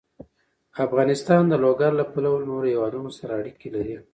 افغانستان د لوگر له پلوه له نورو هېوادونو سره اړیکې لري.